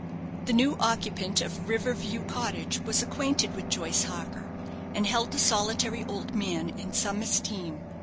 The new occupant of River View Cottage was acquainted with Joyce Harker, and held the solitary old man in some esteem.